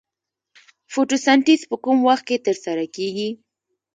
فتوسنتیز په کوم وخت کې ترسره کیږي